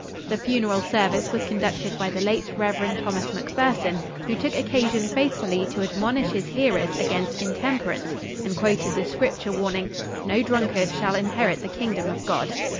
The funeral service was conducted by the late Rev. Thomas McPherson, who took occasion faithfully to admonish his hearers against intemperance, and quoted the scripture warning, "No drunkard shall inherit the kingdom of God."